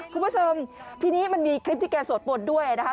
คุณผู้ชมทีนี้มันมีคลิปที่แกสวดบนด้วยนะคะ